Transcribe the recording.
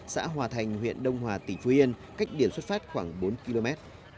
xã hòa thành huyện đông hòa tỉnh phú yên cách biển xuất phát khoảng bốn km